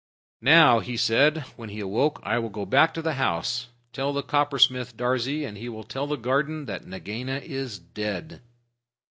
"Now," he said, when he awoke, "I will go back to the house. Tell the Coppersmith, Darzee, and he will tell the garden that Nagaina is dead."